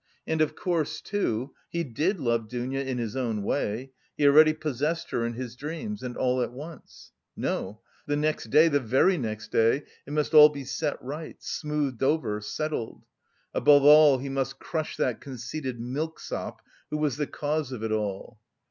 And, of course, too, he did love Dounia in his own way; he already possessed her in his dreams and all at once! No! The next day, the very next day, it must all be set right, smoothed over, settled. Above all he must crush that conceited milksop who was the cause of it all.